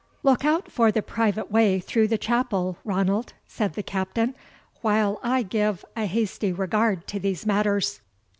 "Look out for the private way through the chapel, Ranald," said the Captain, "while I give a hasty regard to these matters."